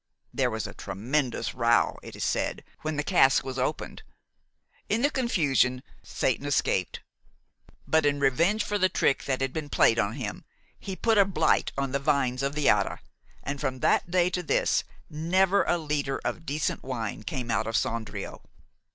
There was a tremendous row, it is said, when the cask was opened. In the confusion, Satan escaped; but in revenge for the trick that had been played on him, he put a blight on the vines of the Adda, and from that day to this never a liter of decent wine came out of Sondrio."